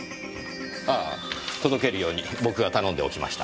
ああ届けるように僕が頼んでおきました。